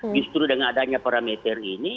justru dengan adanya parameter ini